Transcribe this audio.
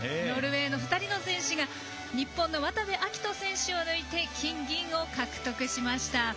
ノルウェーの２人の選手が日本の渡部暁斗選手を抜いて金、銀を獲得しました。